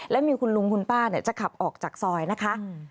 และมีคุณลุงคุณป้าจะขับออกจากซอยนะคะ